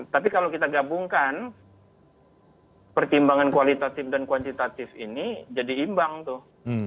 tapi kalau kita gabungkan pertimbangan kualitatif dan kuantitatif ini jadi imbang tuh